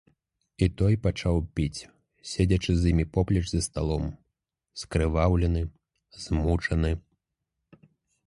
І той пачаў піць, седзячы з імі поплеч за сталом, скрываўлены, змучаны.